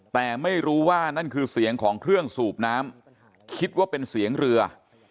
แต่ไม่รู้ว่านั่นคือเสียงของเครื่องสูบน้ำคิดว่าเป็นเสียงเรือ